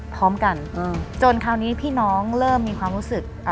พร้อมกันจนคราวนี้พี่น้องเริ่มมีความรู้สึก